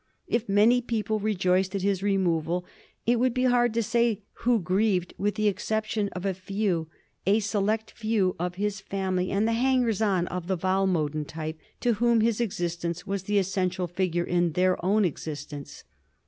If many people re joiced at his removal, it would be hard to say who grieved with the exception of a few, a select few, of his family and the hangers on of the Walmoden type, to whom his existence was the essential figure in their own existence.